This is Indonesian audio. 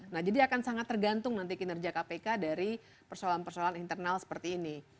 nah jadi akan sangat tergantung nanti kinerja kpk dari persoalan persoalan internal seperti ini